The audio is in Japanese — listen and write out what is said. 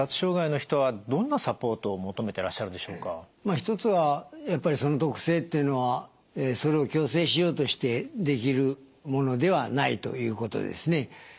一つはやっぱり特性っていうのはそれを矯正しようとしてできるものではないということですね。